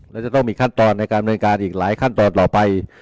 และจะต้องมีขั้นตอนในการดำเนินการอีกหลายขั้นตอนต่อไป